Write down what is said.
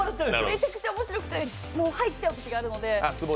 めちゃめちゃ面白くて入っちゃうときがあるんで。